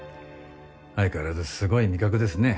相変わらずすごい味覚ですね。